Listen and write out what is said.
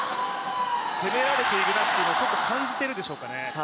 攻められているなというのは感じているんでしょうかね？